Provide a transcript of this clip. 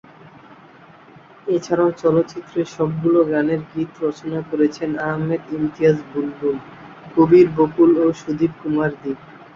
এছাড়াও চলচ্চিত্রের সবগুলো গানের গীত রচনা করেছেন আহমেদ ইমতিয়াজ বুলবুল, কবির বকুল ও সুদীপ কুমার দীপ।